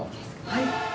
はい。